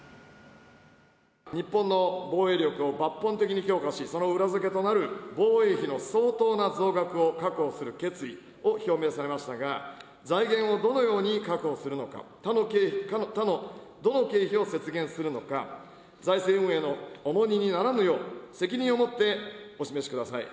日本の防衛力を抜本的に強化し、その裏付けとなる防衛費の相当な増額を確保する決意を表明されましたが、財源をどのように確保するのか、他のどの経費を節減するのか、財政運営の重荷にならぬよう、責任を持ってお示しください。